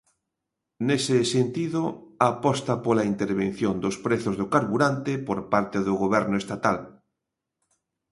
Nese sentido, aposta pola intervención dos prezos do carburante por parte do Goberno estatal.